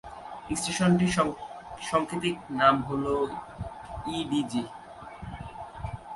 স্টেশনটির সাংকেতিক নাম হল ইডিজি।